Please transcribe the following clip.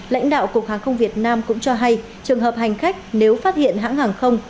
lãnh đạo cục hàng không việt nam cũng cho hay trường hợp hành khách nếu phát hiện hãng hàng không